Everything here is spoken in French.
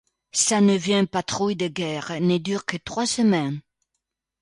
Sa neuvième patrouille de guerre ne dure que trois semaines.